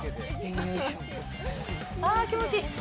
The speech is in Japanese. あー、気持ちいい。